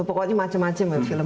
pokoknya macam macam ya film